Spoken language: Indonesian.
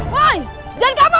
woy jangan kabur